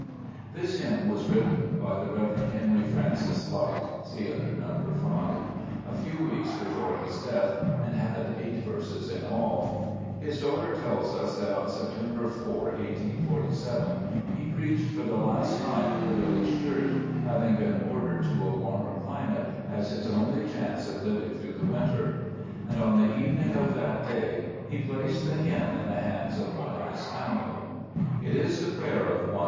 This hymn was written by the Rev. Henry Francis Lyte (see under No. 5) a few weeks before his death, and had eight verses in all. His daughter tells us that on September 4, 1847, he preached for the last time in the village church, having been ordered to a warmer climate as his only chance of living through the winter ; and on the evening of that day he placed the hymn in 18 Cbe JSest Cburcb 1bv>mn3.